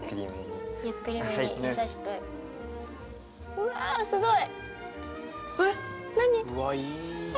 うわあすごい！